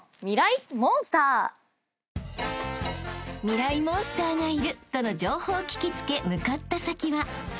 ［ミライ☆モンスターがいるとの情報を聞き付け向かった先は］